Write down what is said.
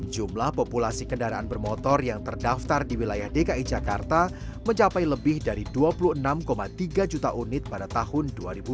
jumlah populasi kendaraan bermotor yang terdaftar di wilayah dki jakarta mencapai lebih dari dua puluh enam tiga juta unit pada tahun dua ribu dua puluh